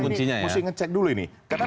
harusnya ngecek dulu ini karena